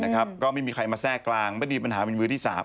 ก็ไม่มีใครมาแทรกกลางไม่ดีปัญหาเป็นมือที่๓